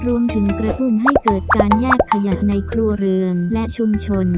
รวมถึงกระตุ้นให้เกิดการแยกขยะในครัวเรือนและชุมชน